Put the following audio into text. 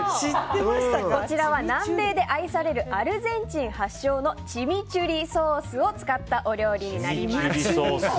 こちらは、南米で愛されるアルゼンチン発祥のチミチュリソースを使ったお料理になります。